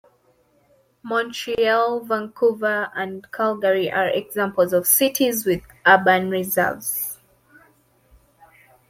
Montreal, Vancouver and Calgary are examples of cities with urban reserves.